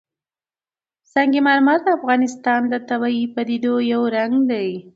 سنگ مرمر د افغانستان د طبیعي پدیدو یو رنګ دی.